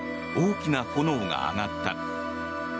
大きな炎が上がった。